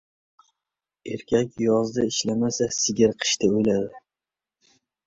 • Erkak yozda ishlamasa, sigir qishda o‘ladi.